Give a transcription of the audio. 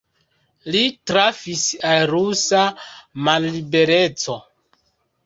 Li trafis al rusa mallibereco.